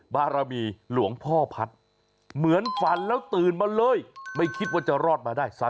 บารมีหลวงพ่อพัฒน์เหมือนฝันแล้วตื่นมาเลยไม่คิดว่าจะรอดมาได้